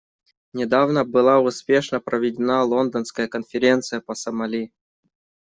Недавно была успешно проведена Лондонская конференция по Сомали.